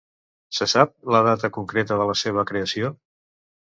Se sap la data concreta de la seva creació?